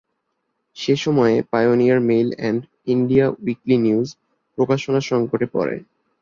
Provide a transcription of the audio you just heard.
সে সময়ে "Pioneer Mail and India Weekly News" প্রকাশনা-সংকটে পরে।